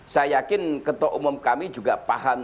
saya yakin ketua umum kami juga paham